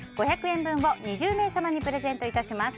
５００円分を２０名様にプレゼントいたします。